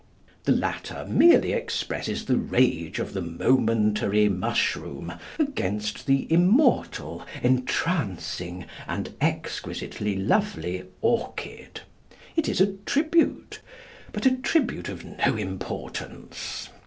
The latter merely expresses the rage of the momentary mushroom against the immortal, entrancing, and exquisitely lovely orchid. It is a tribute, but a tribute of no importance.